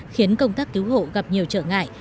khiến công tác cứu hộ gặp nhiều trở ngại